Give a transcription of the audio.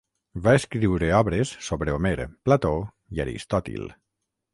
Va escriure obres sobre Homer, Plató i Aristòtil.